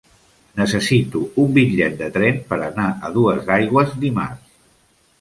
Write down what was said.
Necessito un bitllet de tren per anar a Duesaigües dimarts.